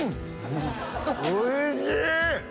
おいしい！